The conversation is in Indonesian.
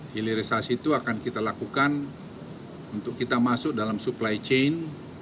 hilirisasi itu akan kita lakukan